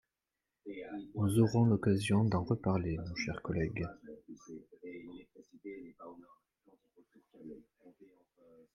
Nous aurons l’occasion d’en reparler, mon cher collègue.